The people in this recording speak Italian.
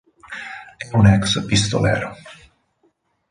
È un ex-pistolero.